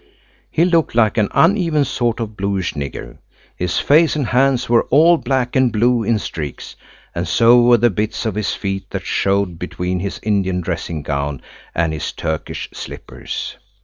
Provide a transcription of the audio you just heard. He looked like an uneven sort of bluish nigger. His face and hands were all black and blue in streaks, and so were the bits of his feet that showed between his Indian dressing gown and his Turkish slippers.